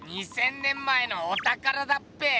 ２，０００年前のおたからだっぺ！